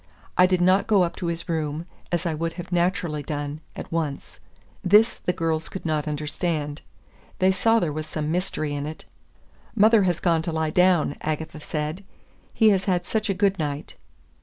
I did not go up to his room, as I would have naturally done, at once. This the girls could not understand. They saw there was some mystery in it. "Mother has gone to lie down," Agatha said; "he has had such a good night."